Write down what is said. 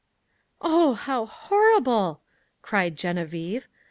"Oh, how horrible!" cried Geneviève.